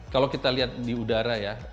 kalau kita lihat di udara ya